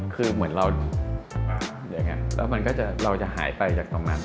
คือเหมือนเราอย่างนี้แล้วมันก็จะเราจะหายไปจากตรงนั้น